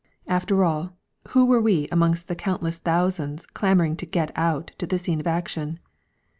After all, who were we amongst the countless thousands clamouring to "get out" to the scene of action?